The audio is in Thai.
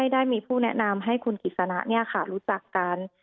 ได้มีผู้แนะนำให้คุณกิจสนะรู้จักกัน